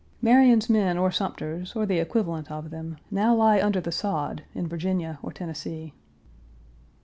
Marion's men or Sumter's, or the equivalent of them, now lie under the sod, in Virginia or Tennessee.